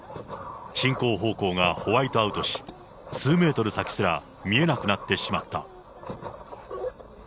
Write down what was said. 進行方向がホワイトアウトし、数メートル先すら見えなくなってしまった。